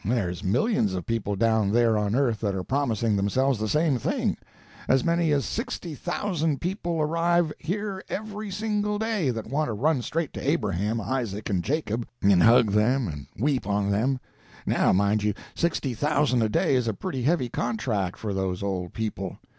There's millions of people down there on earth that are promising themselves the same thing. As many as sixty thousand people arrive here every single day, that want to run straight to Abraham, Isaac and Jacob, and hug them and weep on them. Now mind you, sixty thousand a day is a pretty heavy contract for those old people.